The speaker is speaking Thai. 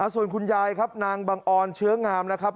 ส่วนคุณยายครับนางบังออนเชื้องามนะครับ